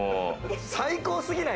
最高すぎない？